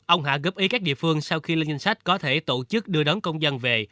ông hạ góp ý các địa phương sau khi lên danh sách có thể tổ chức đưa đón công dân về